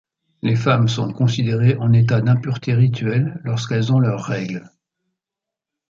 Les femmes sont considérées en état d'impureté rituelle lorsqu'elles ont leurs règles.